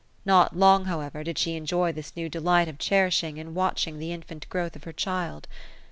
Not long, however, did she enjoy this new delight of cherishing and watching the infant growth of her child.